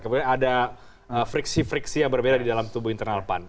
kemudian ada friksi friksi yang berbeda di dalam tubuh internal pan